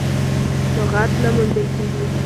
لغت نه موندل کېږي.